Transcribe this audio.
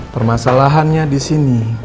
permasalahannya di sini